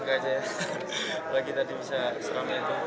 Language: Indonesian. kami tidak puas disini saja